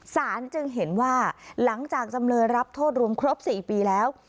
สารจึงเห็นว่าหลังจากจำเลยรับโทษรวมครบ๔ปีแล้ว